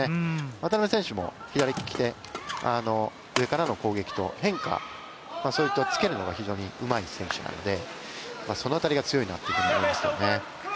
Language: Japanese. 渡辺選手も左利きで上からの攻撃と変化、そういったのを、つけるのが非常にうまい選手なのでその辺りが強いなというふうに思いますね。